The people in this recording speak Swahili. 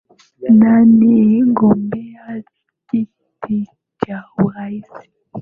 nani mgombea kiti cha urais